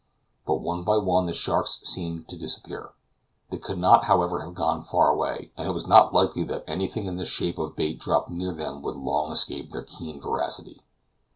But one by one the sharks seemed to disappear. They could not, however, have gone far away, and it was not likely that anything in the shape of bait dropped near them would long escape their keen voracity.